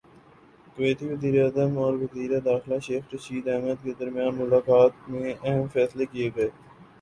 کویتی وزیراعظم اور وزیر داخلہ شیخ رشید احمد کے درمیان ملاقات میں اہم فیصلے کیے گئے ہیں